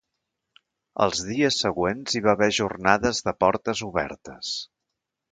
Els dies següents hi va haver jornades de portes obertes.